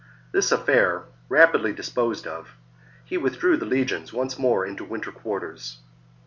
This affair rapidly disposed of, he withdrew the legions once more into winter quarters.